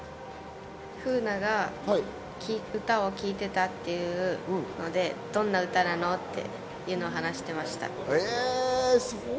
楓奈が歌を聴いていたっていうので、どんな歌なの？って話してました。